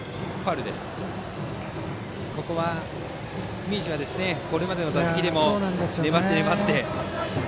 住石は、これまでの打席でも粘って粘って。